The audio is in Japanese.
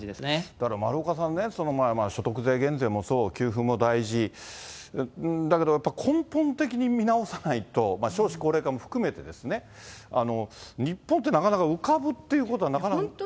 だから丸岡さんね、その所得税減税もそう、給付も大事、だけどやっぱり、根本的に見直さないと、少子高齢化も含めてですね、日本ってなかなか浮かぶってことはなかなかね。